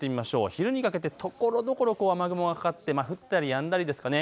昼にかけてところどころ雨雲がかかって降ったりやんだりですかね。